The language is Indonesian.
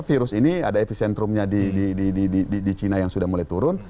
virus ini ada epicentrumnya di china yang sudah mulai turun